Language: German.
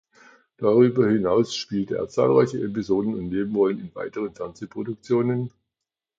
Darüber hinaus spielte er zahlreiche Episoden- und Nebenrollen in weiteren Fernsehproduktionen.